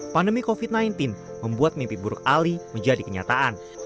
pandemi covid sembilan belas membuat mimpi buruk ali menjadi kenyataan